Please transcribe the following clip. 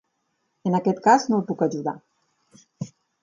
En aquest cas no el puc ajudar.